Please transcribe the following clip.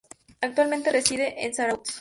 Actualmente reside en Zarautz.